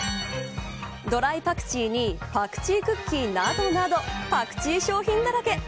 ドライパクチーにパクチークッキーなどなどパクチー商品だらけ。